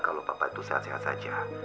kalau bapak itu sehat sehat saja